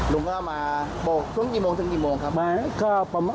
ลุงก็มาบกทั้งกี่โมงทั้งกี่โมงครับ